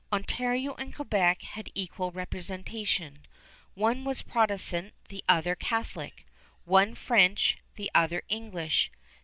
Ontario and Quebec had equal representation. One was Protestant, the other Catholic; one French, the other English.